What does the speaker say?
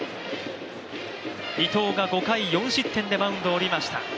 伊藤が５回４失点でマウンドを降りました。